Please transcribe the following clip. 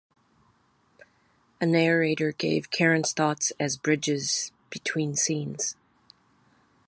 A narrator gave Karen's thoughts as bridges between scenes.